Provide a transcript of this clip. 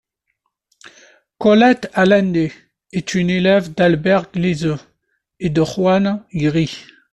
Colette Allendy est une élève d'Albert Gleizes et de Juan Gris.